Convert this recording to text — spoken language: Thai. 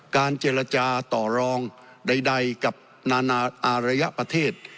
การเจรจาต่อรองใดกับนานาอารยประเทศ